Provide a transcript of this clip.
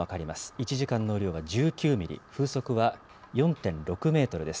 １時間の雨量が１９ミリ、風速は４．６メートルです。